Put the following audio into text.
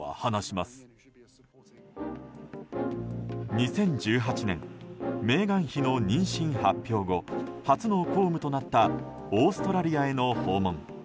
２０１８年メーガン妃の妊娠発表後初の公務となったオーストラリアへの訪問。